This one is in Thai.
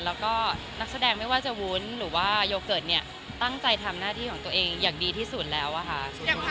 แล้วก็นักแสดงไม่ว่าจะวุ้นหรือว่าโยเกิร์ตเนี่ยตั้งใจทำหน้าที่ของตัวเองอย่างดีที่สุดแล้วอะค่ะ